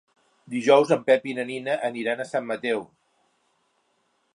Dijous en Pep i na Nina aniran a Sant Mateu.